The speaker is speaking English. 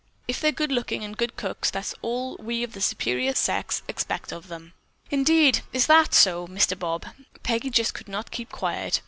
If they're good looking and good cooks, that's all we of the superior sex expect of them." "Indeed, is that so, Mr. Bob?" Peggy just could not keep quiet.